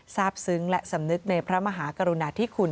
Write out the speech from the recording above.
ซึ้งและสำนึกในพระมหากรุณาธิคุณ